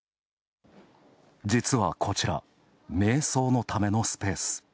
実は、こちら、めい想のためのスペース。